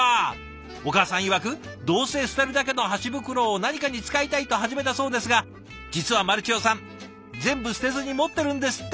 お母さんいわくどうせ捨てるだけの箸袋を何かに使いたいと始めたそうですが実はマルチヨさん全部捨てずに持ってるんですって。